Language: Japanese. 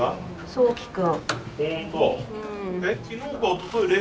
そうき君。